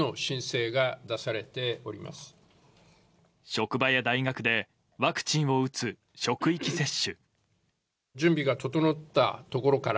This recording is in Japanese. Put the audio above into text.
職場や大学でワクチンを打つ職域接種。